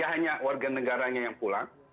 nah warga negaranya yang pulang